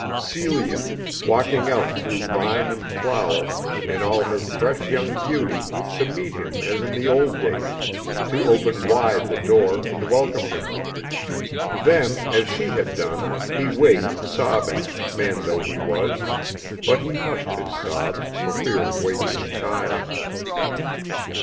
Celia, walking out through vine and flower in all her fresh young beauty to meet him as in the old days, to open wide the door and welcome him. Then as she had done, he waked sobbing, man though he was, but he hushed his sobs for fear of waking the child.